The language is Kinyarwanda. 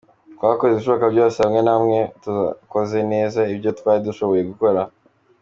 Twakoze ibishoboka byose, hamwe na mwe twakoze neza ibyo twari dushoboye gukora.